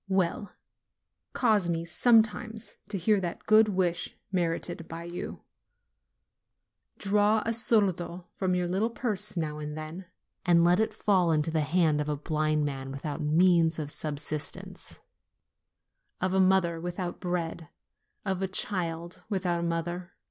Well, cause me sometimes to hear that good wish merited by you ; draw a soldo from your little purse now and then, and let it fall into the hand of a blind man without means of subsistence, of a mother without bread, of a child without a mother.